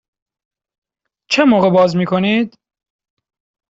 چه موقع باز می کنید؟